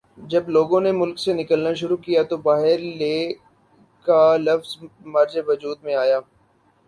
جب لوگوں نے ملک سے نکلنا شروع کیا تو باہرلے کا لفظ معرض وجود میں آیا